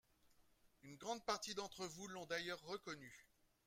Une grande partie d’entre vous l’ont d’ailleurs reconnu.